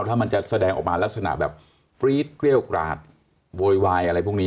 ถ้ามันจะแสดงออกมาลักษณะแบบปรี๊ดเกรี้ยวกราดโวยวายอะไรพวกนี้